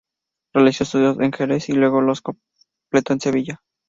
Realizó estudios en Jerez y luego los completó en Sevilla.